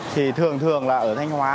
thì thường thường là ở thanh hóa